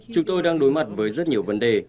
chúng tôi đang đối mặt với rất nhiều vấn đề